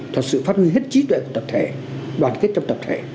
thật sự phát huy hết trí tuệ của tập thể đoàn kết trong tập thể